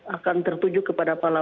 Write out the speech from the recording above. akan tertujukan kepada orang tua